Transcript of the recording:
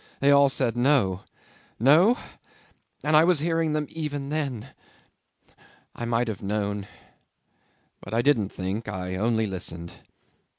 They all said No. No? And I was hearing them even then! I might have known but I didn't think I only listened.